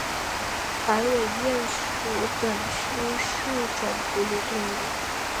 白尾鼹属等之数种哺乳动物。